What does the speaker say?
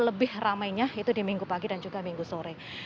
lebih ramainya itu di minggu pagi dan juga minggu sore